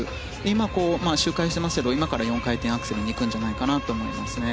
今、周回していますけど今から４回転アクセルに行くんじゃないかなと思います。